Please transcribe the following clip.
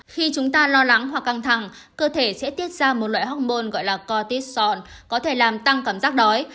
khi chúng ta lo lắng hoặc căng thẳng cơ thể sẽ tiết ra một loại hormôn gọi là cortisone có thể làm tăng cảm giác đói